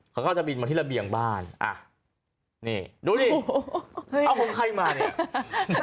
เขาก็จะบินมาที่ระเบียงบ้านอ่ะนี่ดูดิเฮ้ยเอาของใครมาเนี่ย